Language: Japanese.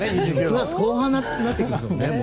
もう９月後半になってきますもんね。